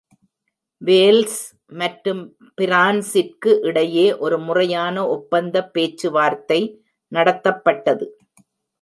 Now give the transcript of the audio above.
Wales மற்றும் பிரான்சிற்கு இடையே ஒரு முறையான ஒப்பந்த பேச்சுவார்த்தை நடத்தப்பட்டது.